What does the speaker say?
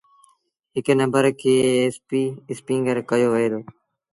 هڪ نمبر کي ايسپيٚ اسپيٚنگر ڪهيو وهي دو۔